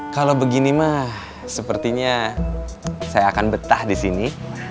kalau begini mah sepertinya saya akan betah disini